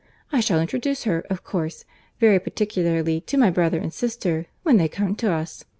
—I shall introduce her, of course, very particularly to my brother and sister when they come to us.